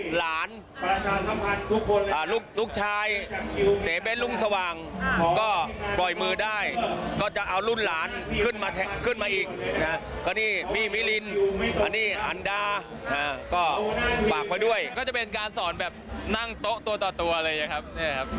หลานลูกชายเสเป็นลุงสว่างก็ปล่อยมือได้ก็จะเอารุ่นหลานขึ้นมาขึ้นมาอีกนะฮะก็นี่มี่มิลินอันนี้อันดาก็ฝากไว้ด้วยก็จะเป็นการสอนแบบนั่งโต๊ะตัวต่อตัวเลยนะครับ